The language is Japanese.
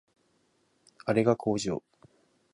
あれが工場